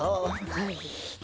はい。